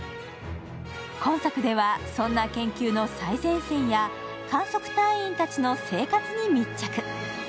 今作では、そんな研究の最前線や観測隊員たちの生活に密着。